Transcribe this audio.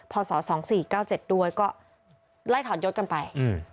พศ๒๔๙๗ด้วยก็ไล่ถอนยศกันไป